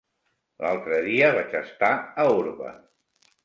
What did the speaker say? L'altre dia vaig estar a Orba.